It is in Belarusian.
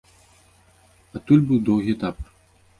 Адтуль быў доўгі этап.